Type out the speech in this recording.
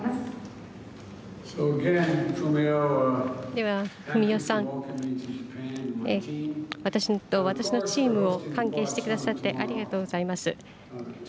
ではフミオさん、私と私のチームを歓迎してくださってありがとうございます。